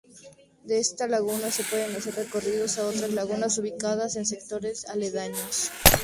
De esta laguna se pueden hacer recorridos a otras lagunas ubicadas en sectores aledaños.